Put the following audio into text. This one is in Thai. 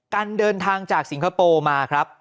กันเดินทางจากสิงคโปร์มาครับ